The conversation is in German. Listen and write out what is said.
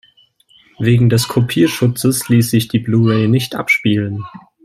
Wegen des Kopierschutzes ließ sich die Blu-ray nicht abspielen.